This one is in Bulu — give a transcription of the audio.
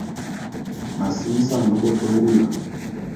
M’asimesan bot be wuya.